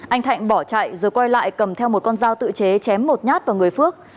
anh thạnh bỏ chạy rồi quay lại cầm theo một con dao tự chế chém một nhát vào người phước